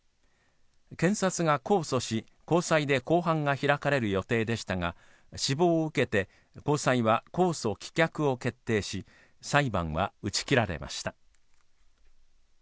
検察が控訴し、高裁で公判が開かれる予定でしたが死亡を受けて高裁は公訴棄却を決定し裁判は打ち切られました。